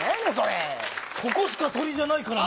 ここしか鳥じゃないからね。